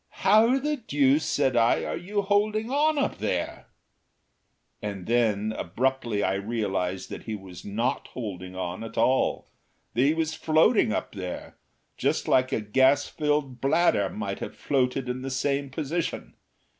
"How the deuce," said I, "are you holding on up there?" And then abruptly I realised that he was not holding on at all, that he was floating up there just as a gas filled bladder might have floated in the same position.